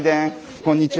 こんにちは。